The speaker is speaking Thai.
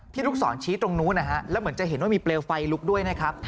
ลูกศรชี้ตรงนู้นนะฮะแล้วเหมือนจะเห็นว่ามีเปลวไฟลุกด้วยนะครับ